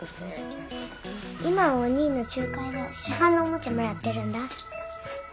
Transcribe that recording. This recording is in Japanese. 今はおにぃの仲介で市販のおもちゃもらってるんだ。